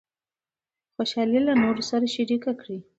خوشحالي له نورو سره شریکه کړئ.